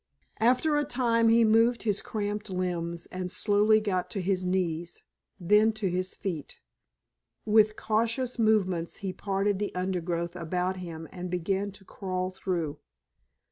After a time he moved his cramped limbs and slowly got to his knees, then to his feet. With cautious movements he parted the undergrowth about him and began to crawl through.